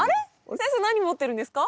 先生何持ってるんですか？